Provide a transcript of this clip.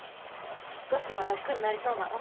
少しは楽になりそうなの？